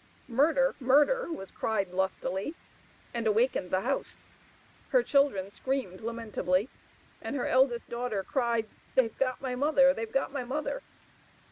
Murder! murder! was cried lustily, and awakened the house. Her children screamed lamentably, and her eldest daughter cried "They've got my mother! they've got my mother!"